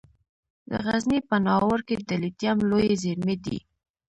د غزني په ناوور کې د لیتیم لویې زیرمې دي.